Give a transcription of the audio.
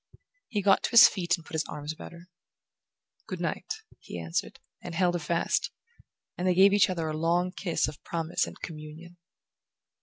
He got to his feet and put his arms about her. "Good night," he answered, and held her fast; and they gave each other a long kiss of promise and communion.